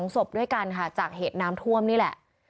๒ศพด้วยกันค่ะจากเหตุน้ำท่วมนี่แหละ